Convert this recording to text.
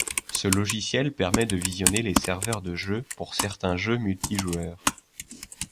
Ce logiciel permet de visionner les serveurs de jeux pour certains jeux multijoueurs.